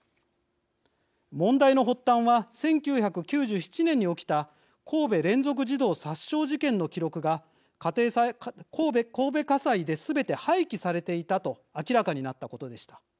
問題の発端は１９９７年に起きた神戸連続児童殺傷事件の記録が神戸家裁ですべて廃棄されていたと明らかになったことでした。